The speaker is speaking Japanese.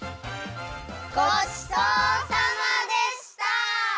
ごちそうさまでした！